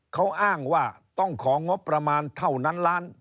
เขาอ้างว่าต้องของงบประมาณเท่านั้นล้าน